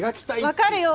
分かるよ。